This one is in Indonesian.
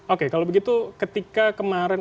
oke kalau begitu ketika kemarin